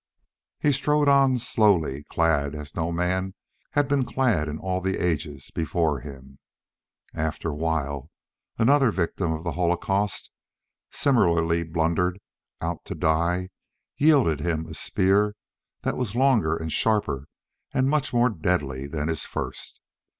He strode on slowly, clad as no man had been clad in all the ages before him. After a while another victim of the holocaust similarly blundered out to die yielded him a spear that was longer and sharper and much more deadly than his first.